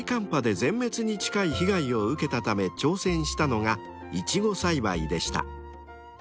波で全滅に近い被害を受けたため挑戦したのがイチゴ栽培でした］